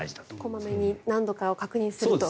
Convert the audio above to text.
小まめに何度か確認すると。